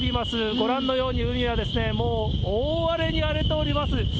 ご覧のように、海はもう大荒れに荒れております。